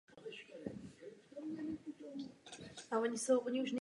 Knihu doplňuje řada fotografií.